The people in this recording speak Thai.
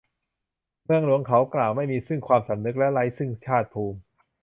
เมืองหลวง เขากล่าว ไม่มีซึ่งความสำนึกและไร้ซึ่งชาติภูมิ